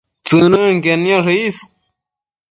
tsënënquied nioshe is